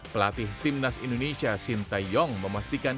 pelatih tim nas indonesia sinta yong memastikan